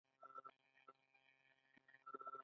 د سینګار توکي په لرغونو قبرونو کې موندل شوي